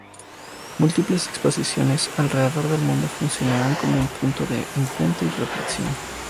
Múltiples exposiciones alrededor del mundo funcionarán como un punto de encuentro y reflexión.